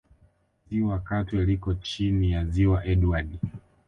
Ziwa Katwe liko chini ya Ziwa Edward